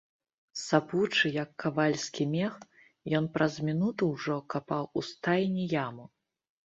Сапучы, як кавальскі мех, ён праз мінуту ўжо капаў у стайні яму.